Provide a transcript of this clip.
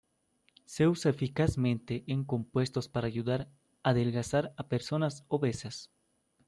Se usa eficazmente en compuestos para ayudar a adelgazar a personas obesas.